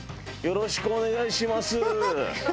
よろしくお願いします。